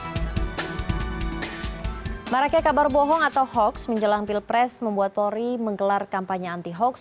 hai mereka kabar bohong atau hoax menjelang pilpres membuat polri menggelar kampanye anti hoax